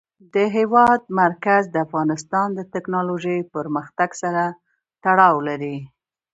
د هېواد مرکز د افغانستان د تکنالوژۍ پرمختګ سره تړاو لري.